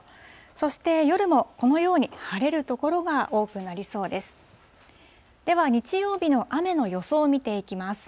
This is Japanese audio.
そして夜も、このように晴れる所が多くなりそうです。